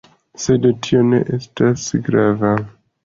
Sed tio ne estis grava.